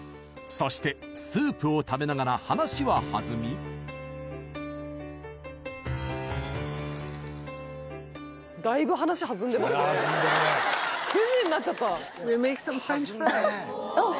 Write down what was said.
そしてスープを食べながら話は弾み９時になっちゃった。